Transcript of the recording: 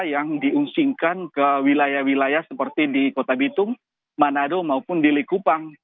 yang diungsingkan ke wilayah wilayah seperti di kota bitung manado maupun di likupang